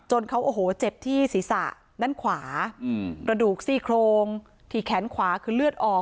เขาโอ้โหเจ็บที่ศีรษะด้านขวากระดูกซี่โครงที่แขนขวาคือเลือดออก